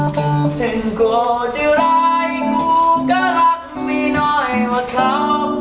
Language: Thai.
ถึงโกธิรายกูก็รักมีน้อยว่าเขา